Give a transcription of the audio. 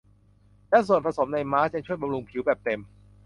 และส่วนผสมในมาสก์ยังช่วยบำรุงผิวแบบเต็ม